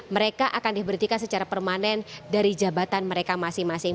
mereka akan diberhentikan secara permanen dari jabatan mereka masing masing